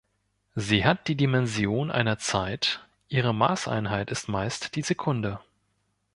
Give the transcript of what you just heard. Sie hat die Dimension einer Zeit; ihre Maßeinheit ist meist die Sekunde.